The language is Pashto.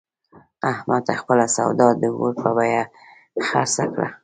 احمد خپله سودا د اور په بیه خرڅه کړه.